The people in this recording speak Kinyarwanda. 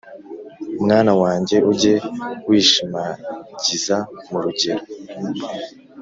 Mwana wanjye, ujye wishimagiza mu rugero,